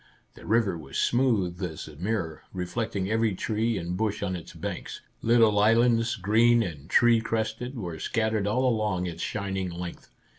The river was smooth as a mirror, reflecting every tree and bush on its banks. Little islands, green and tree crested, were scattered all along its shining length.